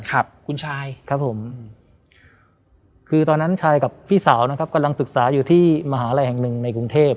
ครับคุณชายครับผมคือตอนนั้นชายกับพี่สาวนะครับกำลังศึกษาอยู่ที่มหาลัยแห่งหนึ่งในกรุงเทพ